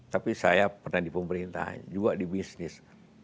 tapi saya pernah di pemerintahan juga di bisnis